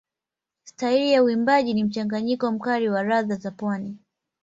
Staili ya uimbaji ni mchanganyiko mkali na ladha za pwani.